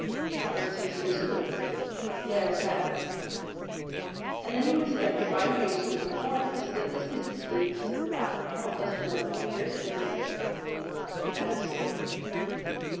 "That was six years ago?" "Nearer seven." "And then you were together five years in California, so that this business dates back not less than eleven years at the least?" "That is so."